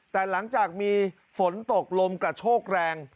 แต่หลังจากมีฝนตกลมกระโชกแรง